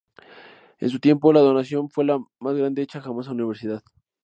En su tiempo, la donación fue la más grande hecha jamás a una universidad.